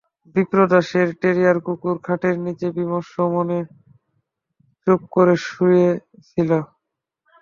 বিপ্রদাসের টেরিয়র কুকুর খাটের নীচে বিমর্ষ মনে চুপ করে শুয়ে ছিল।